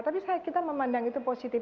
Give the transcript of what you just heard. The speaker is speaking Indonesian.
tapi saya kita memandang itu positif